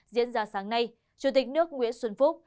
diễn ra sáng nay chủ tịch nước nguyễn xuân phúc